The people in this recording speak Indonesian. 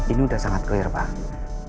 ini udah sangat clear bang